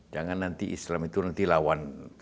jangan nanti islam itu nanti lawan